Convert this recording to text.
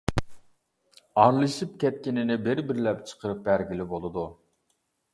ئارىلىشىپ كەتكىنىنى بىر بىرلەپ چىقىرىپ بەرگىلى بولىدۇ.